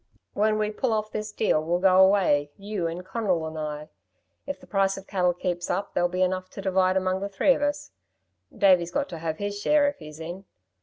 "When we pull off this deal, we'll go away, you and Conal and I. If the price of cattle keeps up there'll be enough to divide among the three of us Davey's got to have his share if he's in.